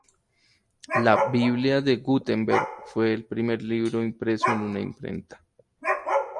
La "Biblia de Gutenberg" fue el primer libro impreso en una imprenta.